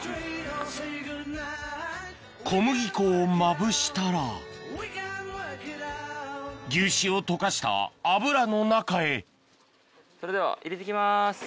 小麦粉をまぶしたら牛脂を溶かした油の中へそれでは入れて行きます。